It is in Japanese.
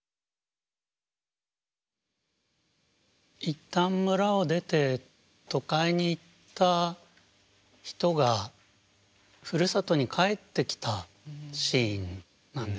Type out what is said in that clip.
一旦村を出て都会に行った人がふるさとに帰ってきたシーンなんですよねこれは。